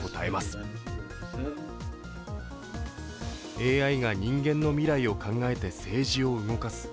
ＡＩが人間の未来を考えて政治を動かす。